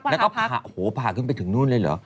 แล้วก็โหผ่าขึ้นไปถึงนู่นเลยเหรอ